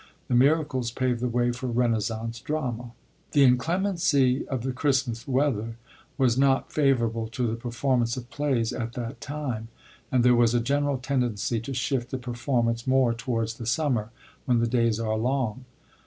^ The miracles paved the way for Renascence drama. The inclemency of the Christmas weather was not favorable to the performance of plays at that time, and there was a general, tendency to shift the performance more towards the summer when the days are long.